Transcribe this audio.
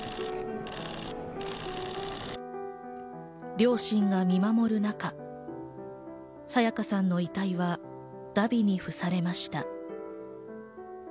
両親が見守る中、沙也加さんの遺体は荼毘に付されました。